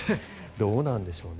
どうなんでしょうね。